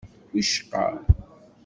Wicqa.